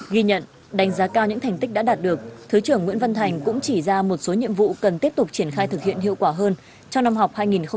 ghi nhận đánh giá cao những thành tích đã đạt được thứ trưởng nguyễn văn thành cũng chỉ ra một số nhiệm vụ cần tiếp tục triển khai thực hiện hiệu quả hơn trong năm học hai nghìn hai mươi hai nghìn hai mươi